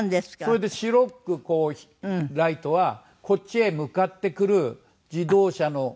それで白くライトはこっちへ向かってくる自動車のヘッドライト。